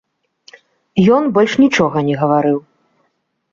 Ён больш нічога не гаварыў.